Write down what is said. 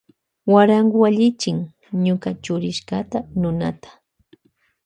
Guarango allichin ñuka chukrishkata nunata.